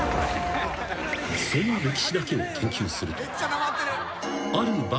［その歴史だけを研究すると］